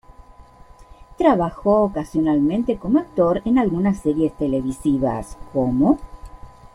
Trabajó ocasionalmente como actor en algunas series televisivas, como